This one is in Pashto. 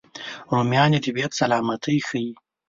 رومیان د طبیعت سلامتي ښيي